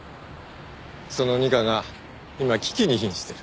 その二課が今危機に瀕してる。